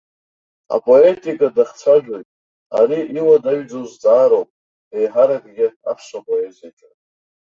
Апоетика дахцәажәоит, ари иуадаҩӡоу зҵаароуп, еиҳаракгьы аԥсуа поезиаҿы.